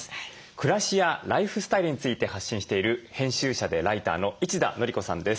暮らしやライフスタイルについて発信している編集者でライターの一田憲子さんです。